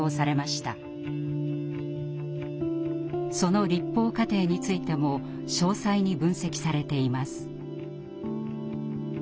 その立法過程についても詳細に分析されています。